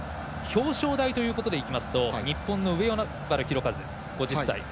表彰台ということでいきますと日本の上与那原寛和、５０歳。